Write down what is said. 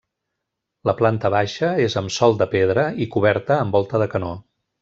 La planta baixa és amb sòl de pedra i coberta amb volta de canó.